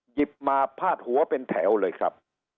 หยิบมาพาดหัวเป็นแถวเลยครับ